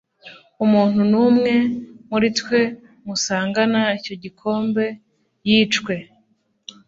umuntu n’umwe muri twe musangana icyo gikombe yicwe